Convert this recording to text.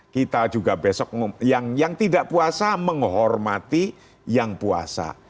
kita juga besok yang tidak puasa menghormati yang puasa